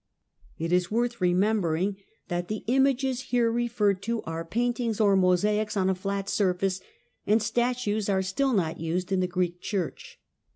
It is THE ICONOCLASTIC EMPERORS 141 l/orth remembering that the " images " here referred Id are paintings or mosaics on a flat surface, and statues Ire still not used in the Greek Church.